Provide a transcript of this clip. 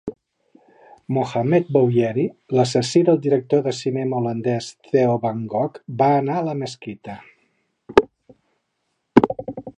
Mohammed Bouyeri, l'assassí del director de cinema holandès Theo van Gogh, va anar a la mesquita.